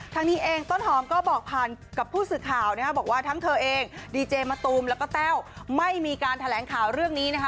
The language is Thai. นี้เองต้นหอมก็บอกผ่านกับผู้สื่อข่าวนะคะบอกว่าทั้งเธอเองดีเจมะตูมแล้วก็แต้วไม่มีการแถลงข่าวเรื่องนี้นะคะ